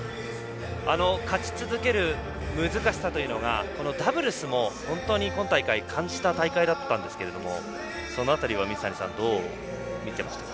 勝ち続ける難しさというのがダブルスも本当に今大会感じた大会だったんですけどもその辺りは、水谷さんどう見ていましたか？